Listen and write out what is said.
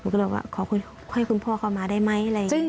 ก็เลยบอกว่าขอให้คุณพ่อเข้ามาได้ไหมอะไรอย่างนี้